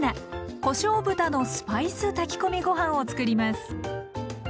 「こしょう豚のスパイス炊き込みご飯」をつくります。